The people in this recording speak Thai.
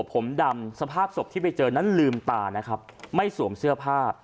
ผมดำสภาพศพที่ไปเจอนั้นลืมตานะครับไม่สวมเสื้อผ้า